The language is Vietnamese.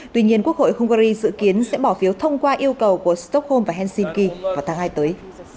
tuy nhiên quốc hội hungary dự kiến sẽ bỏ phiếu thông qua yêu cầu của stockholm và helsinki vào tháng hai tới